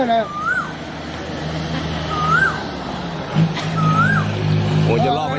ลงมาเลย